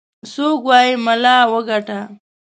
څوك وايي ملا وګاټه.